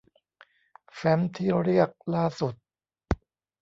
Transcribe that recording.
แฟ้มที่เรียกล่าสุด